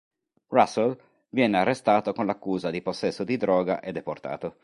Russell viene arrestato con l'accusa di possesso di droga e deportato.